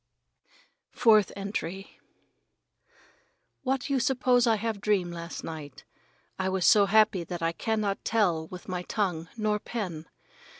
Fourth Entry Ah, Merrit San, what you suppose I have dream last night? I was so happy that I cannot tell with my tongue nor pen.